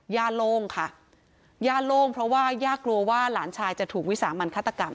ย่าโล่งค่ะย่าโล่งเพราะว่าย่ากลัวว่าหลานชายจะถูกวิสามันฆาตกรรม